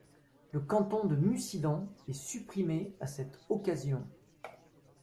Le canton de Mussidan est supprimé à cette occasion.